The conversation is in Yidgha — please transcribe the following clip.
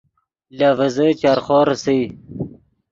لے ڤیزے چرخو ریسئے